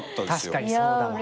確かにそうだわ。